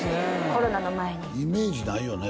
コロナの前にイメージないよね